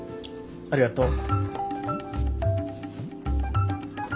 ありがとう。